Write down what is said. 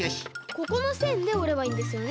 ここのせんでおればいいんですよね？